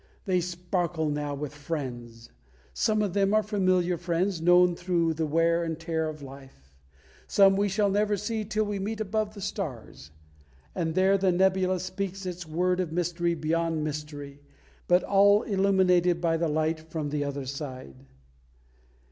They sparkle now with friends. Some of them are familiar friends known through the wear and tear of life; some we shall never see till we meet above the stars. And there the nebula speaks its word of mystery beyond mystery, but all illuminated by the light from the other side.